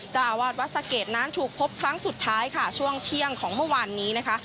เจ้าอาวาสวัดสะเกดนั้นถูกพบครั้งสุดท้ายค่ะช่วงเที่ยงของเมื่อวานนี้นะคะ